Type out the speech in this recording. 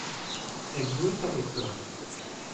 elle jouait avec toi.